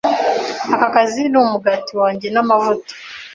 Aka kazi numugati wanjye namavuta.